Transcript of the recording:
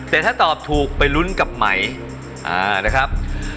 แต่ถ้าตอบถูกไปลุ้นกับไหมนะครับ